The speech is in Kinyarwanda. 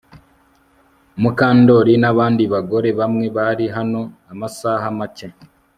Mukandoli nabandi bagore bamwe bari hano amasaha make